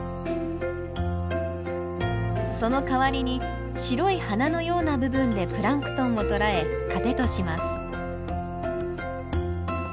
その代わりに白い花のような部分でプランクトンを捕らえ糧とします。